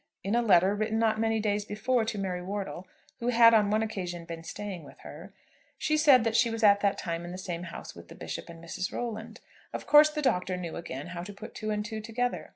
In a letter, written not many days before to Mary Wortle, who had on one occasion been staying with her, she said that she was at that time in the same house with the Bishop and Mrs. Rolland. Of course the Doctor knew again how to put two and two together.